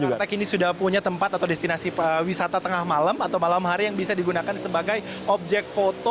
jakarta kini sudah punya tempat atau destinasi wisata tengah malam atau malam hari yang bisa digunakan sebagai objek foto